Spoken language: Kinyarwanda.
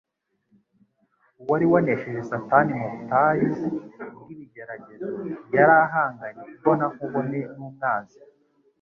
Uwari wanesheje Satani mu butayu bw'ibigeragezo yari ahanganye imbona nkubone n'umwanzi.